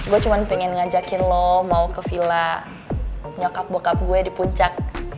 gue cuma pengen ngajakin lo mau ke villa nyokap bockup gue di puncak